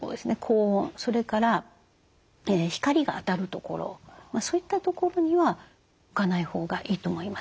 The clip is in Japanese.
それから光が当たる所そういった所には置かないほうがいいと思います。